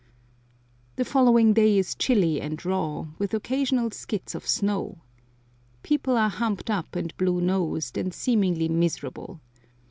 The following day is chilly and raw, with occasional skits of snow. People are humped up and blue nosed, and seemingly miserable.